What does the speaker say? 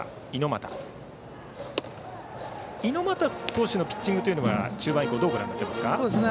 猪俣投手のピッチングは中盤以降どうご覧になっていますか。